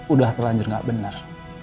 udah terlanjur gak bener